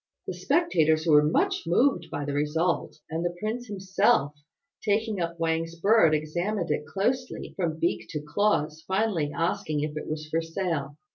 The spectators were much moved by the result; and the prince himself, taking up Wang's bird, examined it closely from beak to claws, finally asking if it was for sale.